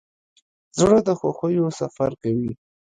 زړه د خوښیو سفر کوي.